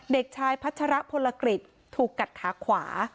เด็กชายพัชรพลกฤษถูกกัดขาขวา